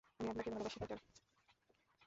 আমি আপনাকে ভালোবাসি, পিটার।